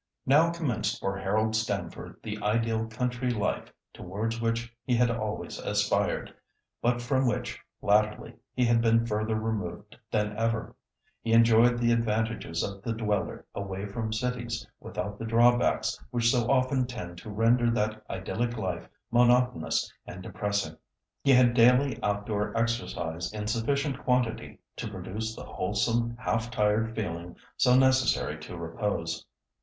Now commenced for Harold Stamford the ideal country life towards which he had always aspired, but from which, latterly, he had been further removed than ever. He enjoyed the advantages of the dweller away from cities without the drawbacks which so often tend to render that idyllic life monotonous and depressing. He had daily outdoor exercise in sufficient quantity to produce the wholesome half tired feeling so necessary to repose.